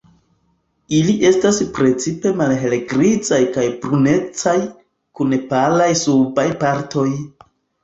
Ili estas precipe malhelgrizaj kaj brunecaj, kun palaj subaj partoj.